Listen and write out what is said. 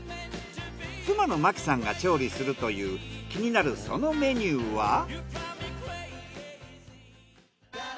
妻の真紀さんが調理するという気になるそのメニューは？